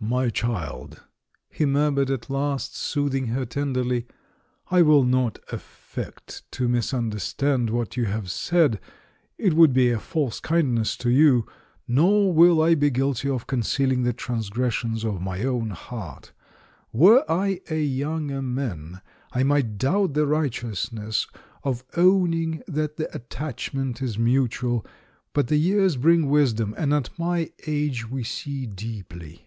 "My child," he murmured at last, soothing her tenderly, "I will not affect to misunderstand what you have said — it would be a false kindness to you. Nor will I be guilty of conceahng the transgressions of my own heart. Were I a THE BISHOP'S COMEDY 353 younger man, I might doubt the righteousness of owning that the attachment is mutual; but the years bring wisdom and at my age we see deep ly.